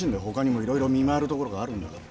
ほかにもいろいろ見回るところがあるんだ。